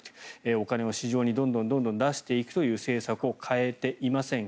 お金を市場にどんどん出していくという政策を変えていません。